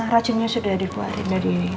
racunnya sudah dikeluarin dari